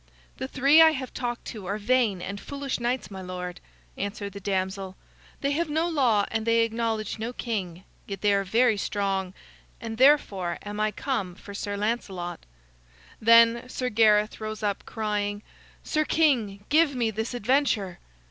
"The three I have talked to are vain and foolish knights, my lord," answered the damsel. "They have no law, and they acknowledge no king. Yet they are very strong, and therefore am I come for Sir Lancelot." Then Sir Gareth rose up, crying: "Sir King, give me this adventure."